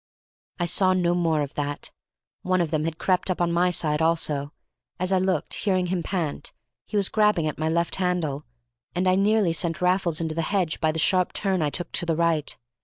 I saw no more of that. One of them had crept up on my side also; as I looked, hearing him pant, he was grabbing at my left handle, and I nearly sent Raffles into the hedge by the sharp turn I took to the right.